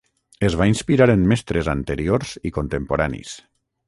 Es va inspirar en mestres anteriors i contemporanis.